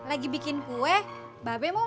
kagak lagi bikin kue kering babbe mau mesen kue